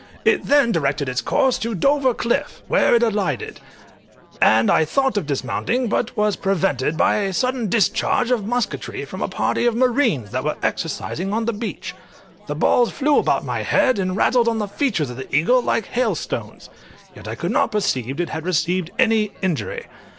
It then directed its course to Dover cliff, where it alighted, and I thought of dismounting, but was prevented by a sudden discharge of musketry from a party of marines that were exercising on the beach; the balls flew about my head, and rattled on the feathers of the eagle like hail stones, yet I could not perceive it had received any injury.